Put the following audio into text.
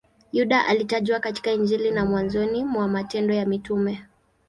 Yuda anatajwa katika Injili na mwanzoni mwa Matendo ya Mitume.